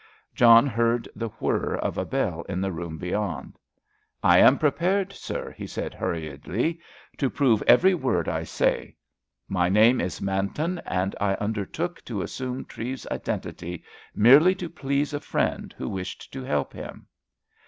John heard the whirr of a bell in the room beyond. "I am prepared, sir," he said hurriedly, "to prove every word I say. My name is Manton, and I undertook to assume Treves's identity merely to please a friend who wished to help him."